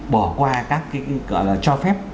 bỏ qua các cái cho phép